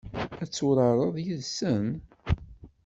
Ad turareḍ yid-sen?